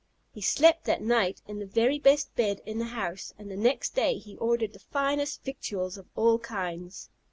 He slept that night in the very best bed in the house, and the next day he ordered the finest victuals of all kinds.